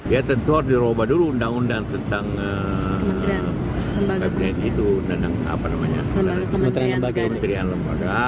ya tentu harus dirubah dulu undang undang tentang kementerian lembaga